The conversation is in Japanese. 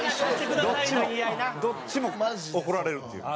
どっちもどっちも怒られるっていう。